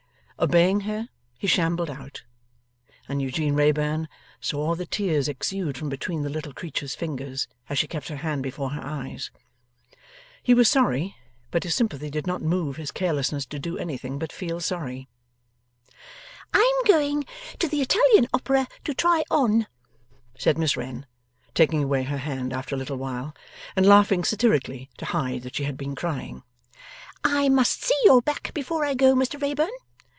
Obeying her, he shambled out, and Eugene Wrayburn saw the tears exude from between the little creature's fingers as she kept her hand before her eyes. He was sorry, but his sympathy did not move his carelessness to do anything but feel sorry. 'I'm going to the Italian Opera to try on,' said Miss Wren, taking away her hand after a little while, and laughing satirically to hide that she had been crying; 'I must see your back before I go, Mr Wrayburn.